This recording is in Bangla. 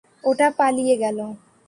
ওটা পালিয়ে গেল।